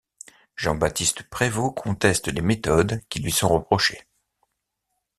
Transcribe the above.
Jean-Baptiste Prévost conteste les méthodes qui lui sont reprochées.